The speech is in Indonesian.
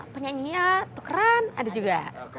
penyanyinya tukeran ada juga